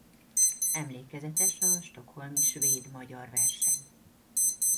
Emlékezetes a stockholmi svéd–magyar verseny.